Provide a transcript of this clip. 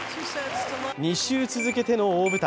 ２週続けての大舞台。